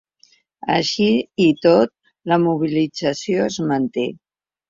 Així i tot, la mobilització es manté.